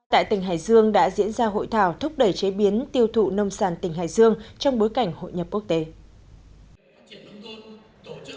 tại tỉnh hải dương đã diễn ra hội thảo thúc đẩy chế biến tiêu thụ nông sản tỉnh hải dương trong bối cảnh hội nhập quốc tế